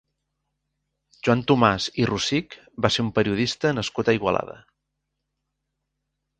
Joan Tomàs i Rossich va ser un periodista nascut a Igualada.